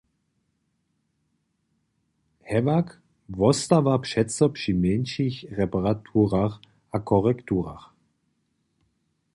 Hewak wostawa přeco při mjeńšich reparaturach a korekturach.